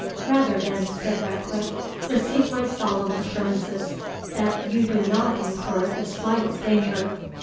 "Rather, then," said Ratcliffe, "receive my solemn assurances, that you do not incur the slightest danger.